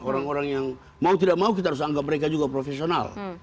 orang orang yang mau tidak mau kita harus anggap mereka juga profesional